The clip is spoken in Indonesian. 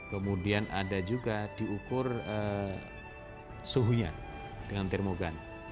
kemudian ada juga diukur suhunya dengan termogan